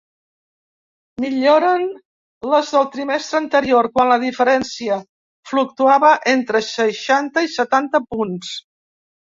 Milloren les del trimestre anterior, quan la diferència fluctuava entre seixanta i setanta punts.